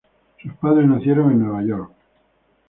Sus padres nacieron en Nueva York.